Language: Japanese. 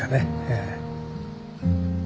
ええ。